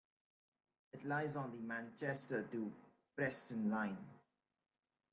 It lies on the Manchester to Preston Line.